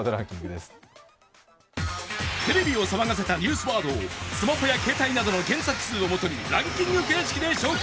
テレビを騒がせたニュースワードをスマホや携帯などの検索数をもとにランキング形式で紹介。